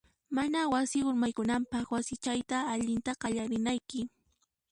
Mana wasi urmaykunanpaq, wasichayta allinta qallarinayki.